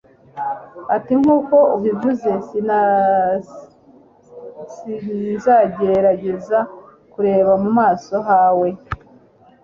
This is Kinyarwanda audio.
ati nk uko ubivuze sinzagerageza kureba mu maso hawe